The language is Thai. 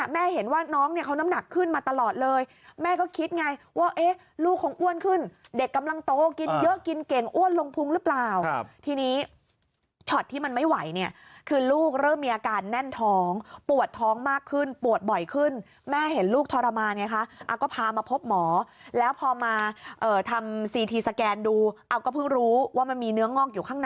แม่เห็นว่าน้องเนี่ยเขาน้ำหนักขึ้นมาตลอดเลยแม่ก็คิดไงว่าเอ๊ะลูกคงอ้วนขึ้นเด็กกำลังโตกินเยอะกินเก่งอ้วนลงพุงหรือเปล่าครับทีนี้ช็อตที่มันไม่ไหวเนี่ยคือลูกเริ่มมีอาการแน่นท้องปวดท้องมากขึ้นปวดบ่อยขึ้นแม่เห็นลูกทรมานไงคะอะก็พามาพบหมอแล้วพอมาเอ่อทำสีทีสแกน